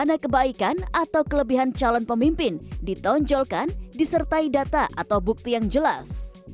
dana kebaikan atau kelebihan calon pemimpin ditonjolkan disertai data atau bukti yang jelas